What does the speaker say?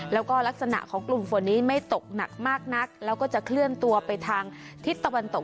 แล้วก็ลักษณะของกลุ่มฝนนี้ไม่ตกหนักมากนักแล้วก็จะเคลื่อนตัวไปทางทิศตะวันตก